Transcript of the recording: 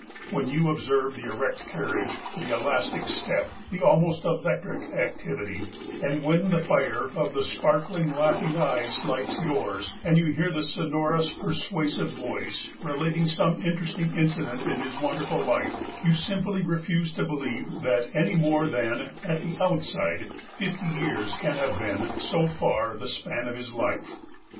When you observe the erect carriage, the elastic step, the almost electric activity, and when the fire of the sparkling, laughing eyes lights yours, and you hear the sonorous, persuasive voice, relating some interesting in cident in his wonderful life, you simply refuse to believe that any more than, at the outside, fifty years can have been, so far, the span of his life.